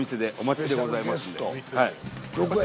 どこや？